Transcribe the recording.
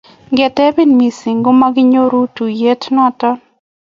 ngetebi missing komaginyoru tuiyet noto